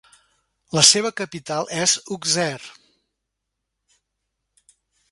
La seva capital és Auxerre.